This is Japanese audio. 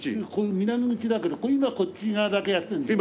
南口だけど今はこっち側だけやってんのよ。